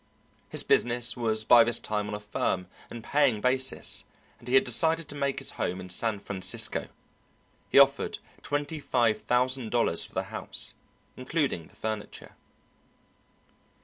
His business was by this time on a firm and paying basis and he had decided to make his home in San Francisco. He offered twenty five thousand dollars for the house, including the furniture.